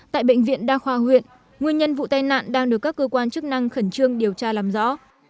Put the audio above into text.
tại bệnh viện đa khoa huyện nguyên nhân vụ tai nạn đang được các cơ quan chức năng khẩn trương điều tra làm rõ